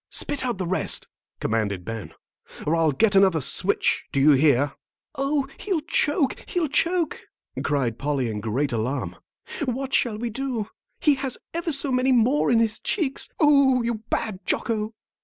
"Spit out the rest," commanded Ben, "or I'll get another switch. Do you hear?" "Oh, he'll choke, he'll choke," cried Polly, in great alarm. "What shall we do? He has ever so many more in his cheeks. Oh, you bad Jocko!"